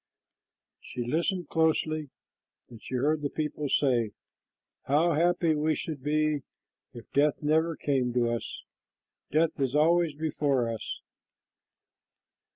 She listened closely, and she heard the people say, "How happy we should be if death never came to us. Death is always before us."